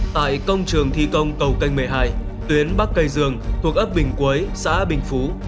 tại công trường thi công cầu canh một mươi hai tuyến bắc cây dường thuộc ấp bình quế xã bình phú